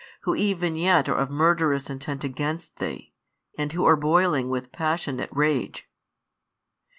who even yet are of murderous intent against Thee, and who are boiling with passionate rage?"